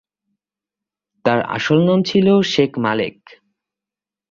তার আসল নাম ছিল শেখ মালেক।